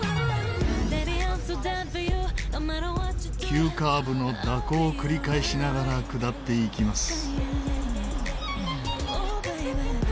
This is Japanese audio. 急カーブの蛇行を繰り返しながら下っていきます。